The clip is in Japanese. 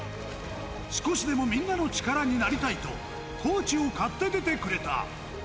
少しでもみんなの力になりたいと、コーチを買って出てくれた。